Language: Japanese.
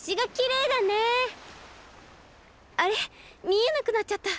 みえなくなっちゃった。